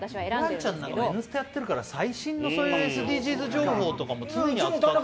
ホランちゃんなんかニュースやってるから最新のＳＤＧｓ情報なんかも常に扱っているんですね。